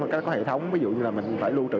các hệ thống ví dụ như là mình phải lưu trữ